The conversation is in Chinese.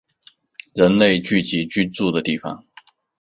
人类聚集居住的地方